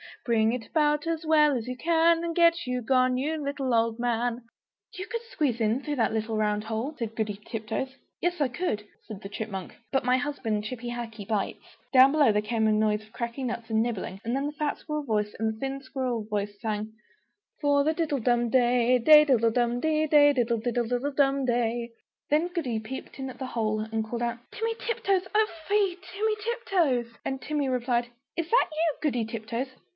Bring it about as well as you can, And get you gone, you little old man!" "You could squeeze in, through that little round hole," said Goody Tiptoes. "Yes, I could," said the Chipmunk, "but my husband, Chippy Hackee, bites!" Down below there was a noise of cracking nuts and nibbling; and then the fat squirrel voice and the thin squirrel voice sang "For the diddlum day Day diddle dum di! Day diddle diddle dum day!" Then Goody peeped in at the hole, and called down "Timmy Tiptoes! Oh fie, Timmy Tiptoes!" And Timmy replied, "Is that you, Goody Tiptoes?